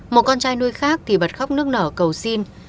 một con trai nuôi khác thì bật khóc nước nở cầu xin